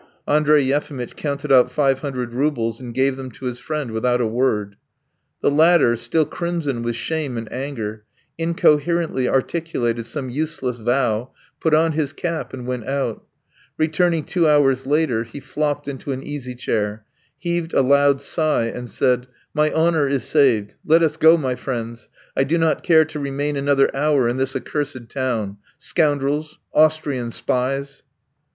Andrey Yefimitch counted out five hundred roubles and gave them to his friend without a word. The latter, still crimson with shame and anger, incoherently articulated some useless vow, put on his cap, and went out. Returning two hours later he flopped into an easy chair, heaved a loud sigh, and said: "My honour is saved. Let us go, my friend; I do not care to remain another hour in this accursed town. Scoundrels! Austrian spies!"